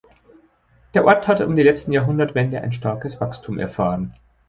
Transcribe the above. Der Ort hat um die letzte Jahrhundertwende ein starkes Wachstum erfahren.